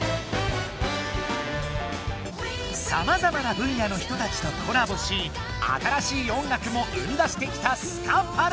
さまざまな分野の人たちとコラボし新しい音楽も生み出してきたスカパラ。